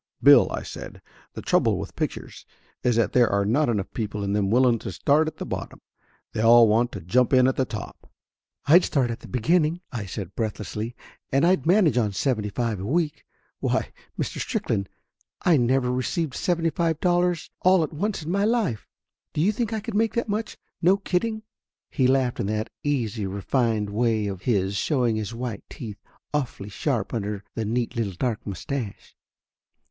'Bill,' I said, 'the trouble with pictures is that there are not enough people in them willing to start at the bottom; they all want to jump in at the top.' ' "I'd start at the beginning," I said breathlessly, "and I'd manage on seventy five a week! Why, Mr. Strickland, I never received seventy five dollars all at once in my life! Do you think I could make that much, no kidding?" He laughed in that easy, refined way of his, showing his white teeth, awfully sharp under the neat little dark mustache.